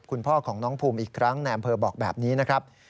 คุณพ่อของน้องภูมิอีกครั้งในอำเภอบอกแบบนี้นะครับ